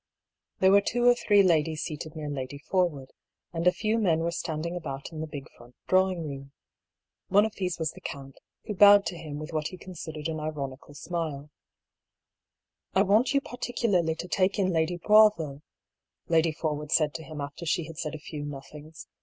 There were two or three ladies seated near Lady Forwood, and a few men were standing about in the big front drawing room. One of these was the count, who bowed to him with what he considered an ironical smile. " I want you particularly to take in Lady Boisville," Lady Forwood said to him after she had said a few nothings.